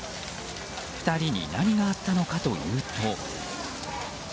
２人に何があったのかというと。